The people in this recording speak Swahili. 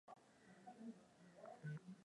Vivyo kila saa.